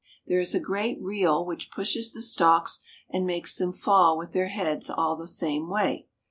There is a great reel which pushes the stalks and makes them fall with their heads all the same w^ay.